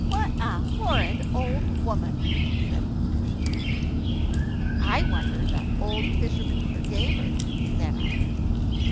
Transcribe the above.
"What a horrid old woman!" said Maroosia. "I wonder the old fisherman forgave her," said Ivan.